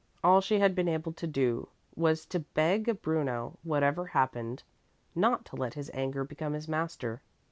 All she had been able to do was to beg Bruno, whatever happened, not to let his anger become his master.